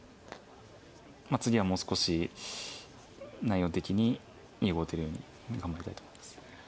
次はもう少し内容的にいい碁を打てるように頑張りたいと思います。